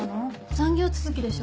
残業続きでしょ？